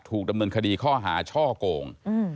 ถูกดำเนินคดีข้อหาช่อโกง